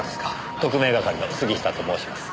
特命係の杉下と申します。